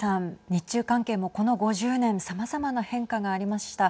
日中関係も、この５０年さまざまな変化がありました。